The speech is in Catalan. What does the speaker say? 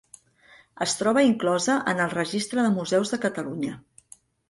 Es troba inclosa en el Registre de Museus de Catalunya.